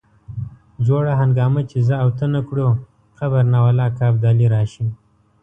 جوړه هنګامه چې زه او ته نه کړو قبر نه والله که ابدالي راشي.